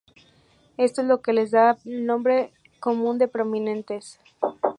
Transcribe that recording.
Esto es lo que les da el nombre común de "prominentes".